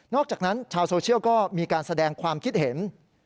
อกจากนั้นชาวโซเชียลก็มีการแสดงความคิดเห็น